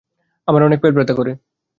আমার অনেক পেটে ব্যথা করে।